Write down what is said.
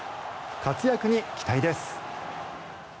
活躍に期待です。